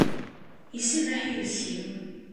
Iserreḥ yiles-iw.